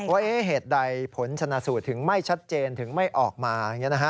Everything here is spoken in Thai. ว่าเหตุใดผลชนะสูตรถึงไม่ชัดเจนถึงไม่ออกมา